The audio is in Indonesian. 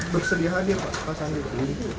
berkesedihan ya pak sandiaga uno